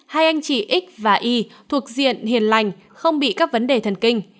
hai anh chị x và y thuộc diện hiền lành không bị các vấn đề thần kinh